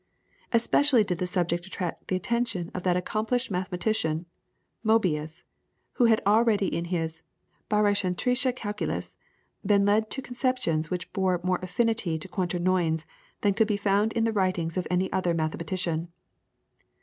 Especially did the subject attract the attention of that accomplished mathematician, Moebius, who had already in his "Barycentrische Calculus" been led to conceptions which bore more affinity to Quaternions than could be found in the writings of any other mathematician.